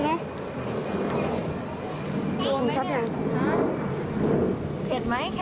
เข็ดไหม